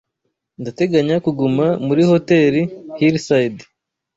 Ndateganya kuguma muri Hoteli Hillside.